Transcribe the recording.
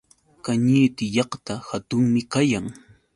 Kañiti llaqta hatunmi kayan.